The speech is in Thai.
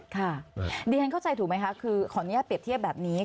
ค่ะดิฉันเข้าใจถูกไหมคะคือขออนุญาตเปรียบเทียบแบบนี้